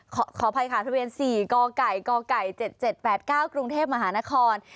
ขออภัยค่ะทะเบียน๔กไก่กไก่๗๗๘๙กรุงเทพมหานคร